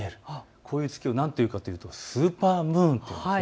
こういう月を何というかというとスーパームーンという。